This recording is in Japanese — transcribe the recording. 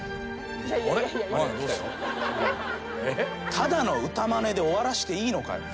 ただの歌まねで終わらせていいのかよ。